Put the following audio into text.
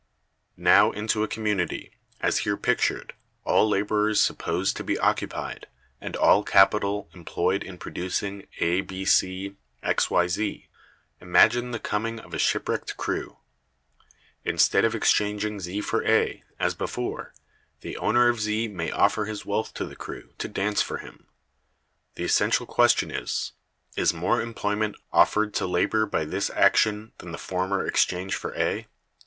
Now into a community, as here pictured, all laborers supposed to be occupied, and all capital employed in producing A, B, C, ... X, Y, Z, imagine the coming of a shipwrecked crew. Instead of exchanging Z for A, as before, the owner of Z may offer his wealth to the crew to dance for him. The essential question is, Is more employment offered to labor by this action than the former exchange for A?